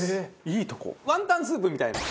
ワンタンスープみたいな。